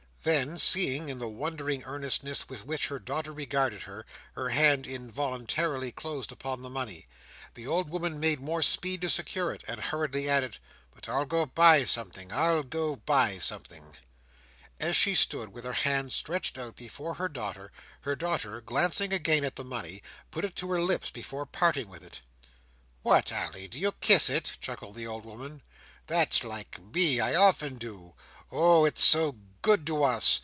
Then, seeing that in the wondering earnestness with which her daughter regarded her, her hand involuntarily closed upon the money, the old woman made more speed to secure it, and hurriedly added, "but I'll go buy something; I'll go buy something." As she stood with her hand stretched out before her daughter, her daughter, glancing again at the money, put it to her lips before parting with it. "What, Ally! Do you kiss it?" chuckled the old woman. "That's like me—I often do. Oh, it's so good to us!"